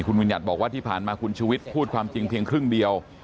คุณวิญญัติบอกว่าที่ผ่านมาคุณชุวิตพูดความจริงเพียงครึ่งเดียว